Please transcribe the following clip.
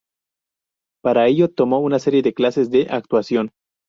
Para ello, tomó una serie de clases de actuación.